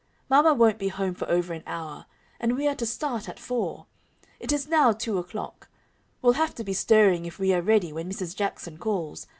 Mamma won't be home for over an hour. And we are to start at four. It is now two o'clock. We'll have to be stirring if we are ready when Mrs. Jackson calls.